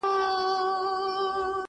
له احوال د وطنونو باخبره!!